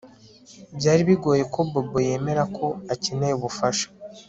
Byari bigoye ko Bobo yemera ko akeneye ubufasha